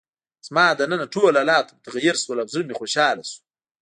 زما دننه ټول حالات متغیر شول او زړه مې خوشحاله شو.